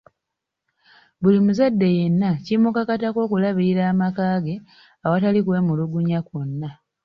Buli muzadde yenna kimukakatako okulabirira amaka ge awatali kw’emulugunya kwonna.